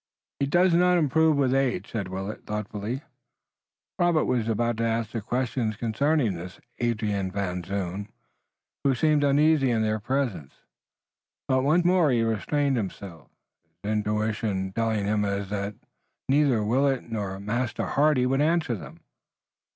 "He does not improve with age," said Willet thoughtfully. Robert was about to ask questions concerning this Adrian Van Zoon, who seemed uneasy in their presence, but once more he restrained himself, his intuition telling him as before that neither Willet nor Master Hardy would answer them.